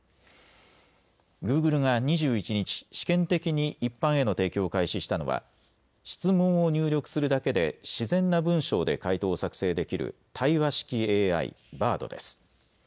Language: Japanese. グーグルが２１日、試験的に一般への提供を開始したのは質問を入力するだけで自然な文章で回答を作成できる対話式ＡＩ、Ｂａｒｄです。